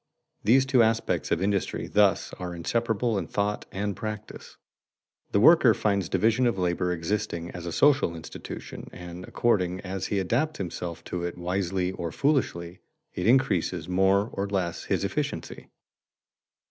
These two aspects of industry thus are inseparable in thought and practice. The worker finds division of labor existing as a social institution and, according as he adapts himself to it wisely or foolishly, it increases more or less his efficiency.